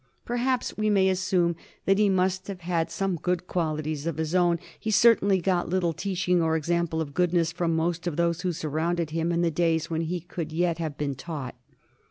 Perhaps we may assume that he must have had some good qualities of his own ; he certainly got little teaching or example of goodness from most of those who surrounded him in the days when he could yet have been taught.